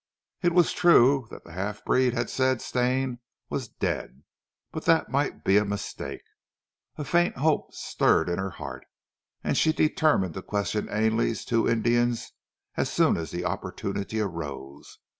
It was true that the half breed had said Stane was dead, but that might be a mistake. A faint hope stirred in her heart, and she determined to question Ainley's two Indians as soon as the opportunity arose.